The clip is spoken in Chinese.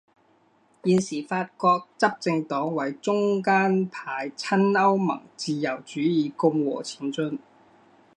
现时法国执政党为中间派亲欧盟自由主义共和前进！